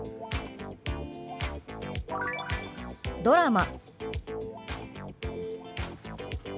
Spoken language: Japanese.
「ドラマ」。